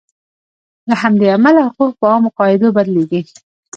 له همدې امله حقوق په عامو قاعدو بدلیږي.